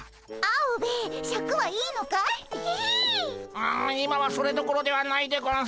うん今はそれどころではないでゴンス。